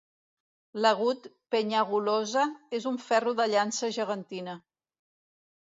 L'agut Penyagolosa és un ferro de llança gegantina.